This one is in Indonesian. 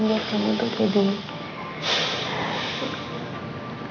aku bisa berikan tempat yang nyaman